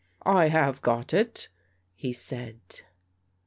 " I have got it," he said.